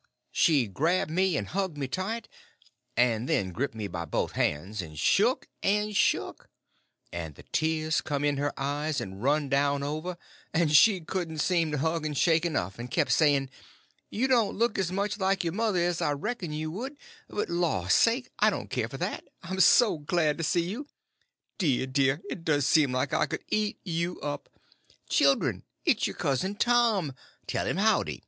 She grabbed me and hugged me tight; and then gripped me by both hands and shook and shook; and the tears come in her eyes, and run down over; and she couldn't seem to hug and shake enough, and kept saying, "You don't look as much like your mother as I reckoned you would; but law sakes, I don't care for that, I'm so glad to see you! Dear, dear, it does seem like I could eat you up! Children, it's your cousin Tom!—tell him howdy."